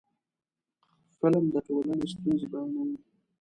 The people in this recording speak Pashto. فلم د ټولنې ستونزې بیانوي